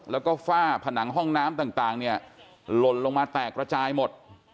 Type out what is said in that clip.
แล้วก็ฝ้าผนังห้องน้ำต่างเนี่ยหล่นลงมาแตกระจายหมด